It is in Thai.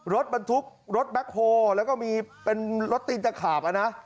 รถบรรทุกรถแบ็คโฮแล้วก็มีเป็นรถตีนตะขาบอ่ะนะ